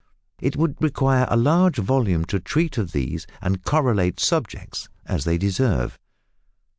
It would require a large volume to treat of these and correlative subjects, as they deserve.